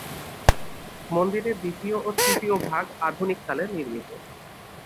মন্দিরের দ্বিতীয় ও তৃতীয় ভাগ আধুনিককালে নির্মিত।